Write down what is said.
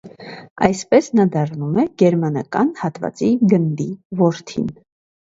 Այսպես նա դառնում է գերմանական հատվածի գնդի որդին։